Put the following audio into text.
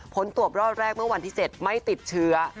ผลตรวจรอบแรกเมื่อวันที่๗ไม่ติดเชื้อ